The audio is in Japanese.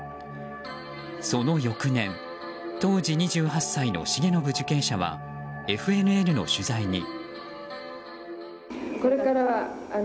その翌年当時２８歳の重信受刑者はＦＮＮの取材に。